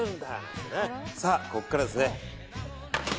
さあ、ここからですね。